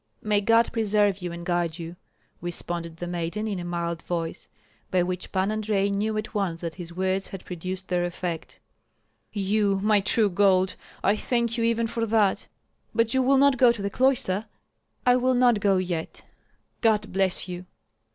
"May God preserve you and guide you," responded the maiden, in a mild voice, by which Pan Andrei knew at once that his words had produced their effect. "You, my true gold! I thank you even for that. But you will not go to the cloister?" "I will not go yet." "God bless you!"